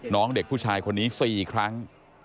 น้องเด็กผู้ชายคนนี้๔ครั้ง